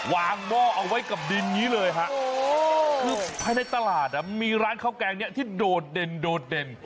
วางหม้อเอาไว้กับดินนี้เลยค่ะโอ้คือภายในตลาดมีร้านข้าวแกงเนี่ยที่โดดเด่น